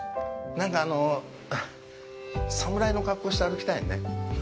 なんか侍の格好して歩きたいね。